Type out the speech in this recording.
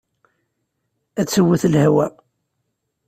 Ad twet lehwa.